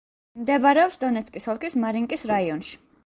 მდებარეობს დონეცკის ოლქის მარინკის რაიონში.